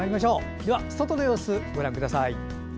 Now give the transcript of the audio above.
では外の様子をご覧ください。